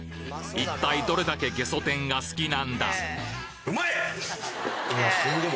一体どれだけゲソ天が好きなんだ